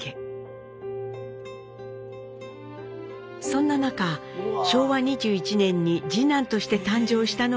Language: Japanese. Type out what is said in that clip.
そんな中昭和２１年に次男として誕生したのが康宏。